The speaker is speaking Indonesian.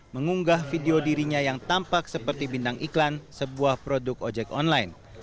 mengunggah video dirinya yang tampak seperti bintang iklan sebuah produk ojek online